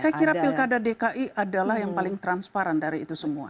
saya kira pilkada dki adalah yang paling transparan dari itu semua